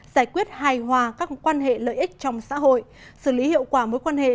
giải quyết hài hòa các quan hệ lợi ích trong xã hội xử lý hiệu quả mối quan hệ